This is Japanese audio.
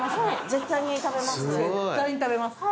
絶対に食べます。